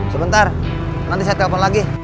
sebentar nanti saya telepon lagi